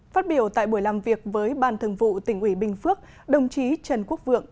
phát biểu tại buổi làm việc với ban thường vụ tỉnh ủy bình phước đồng chí trần quốc vượng